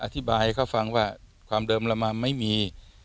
อธิบายให้เขาฟังว่าความเดิมละมัมไม่มี